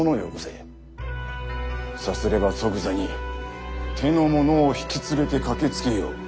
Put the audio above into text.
さすれば即座に手の者を引き連れて駆けつけよう。